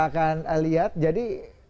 akan lihat jadi